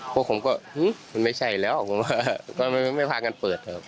พวกผมก็มันไม่ใช่แล้วก็ไม่พากันเปิด